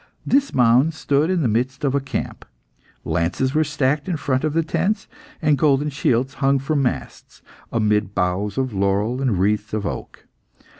This mound stood in the midst of a camp. Lances were stacked in front of the tents, and golden shields hung from masts, amidst boughs of laurel and wreaths of oak.